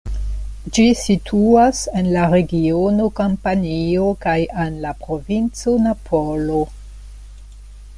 Ĝi situas en la regiono Kampanio kaj en la provinco Napolo.